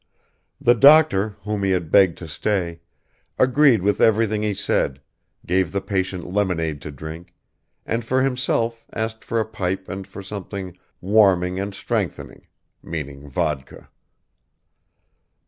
The doctor, whom he had begged to stay, agreed with everything he said, gave the patient lemonade to drink, and for himself asked for a pipe and for something "warming and strengthening" meaning vodka.